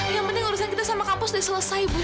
yang penting urusan kita sama kampus udah selesai bu